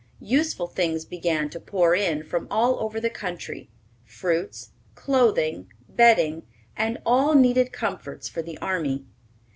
Useful things began to pour in from all over the country, fruits, clothing, bedding, and all needed comforts for the army.